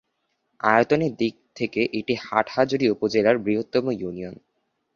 আয়তনের দিক থেকে এটি হাটহাজারী উপজেলার বৃহত্তম ইউনিয়ন।